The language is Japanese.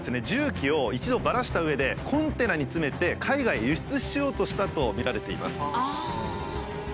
重機を一度ばらしたうえでコンテナに詰めて海外へ輸出しようとしたとみられています。